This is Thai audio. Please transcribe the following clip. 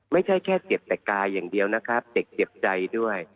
ไม่ใช่แค่เจ็บแต่กายอย่างเดียวนะครับเด็กเจ็บใจด้วย